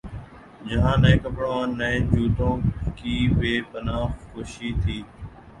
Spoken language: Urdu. جہاں نئے کپڑوں اورنئے جوتوں کی بے پنا ہ خوشی تھی۔